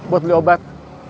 buat beli obat